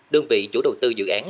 đơn vị chủ đầu tư dự án